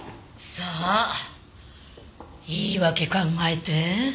さあ言い訳考えて。